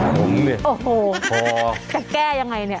ขดเอ้ยแต่แก๊ยายังไงเนี่ย